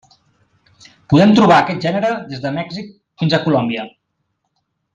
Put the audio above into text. Podem trobar aquest gènere des de Mèxic fins a Colòmbia.